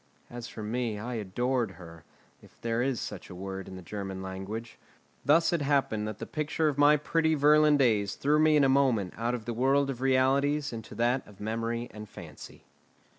As for me, I adored her, if there is such a word in the German language. Thus it happened that the picture of my pretty Virlandaise threw me in a moment out of the world of realities into that of memory and fancy.